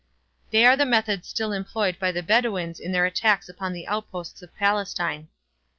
They are the methods still employed by the Bedouins in their attacks upon the outposts of Palestine.